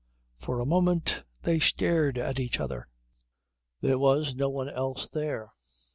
For a moment they stared at each other. There was no one else there.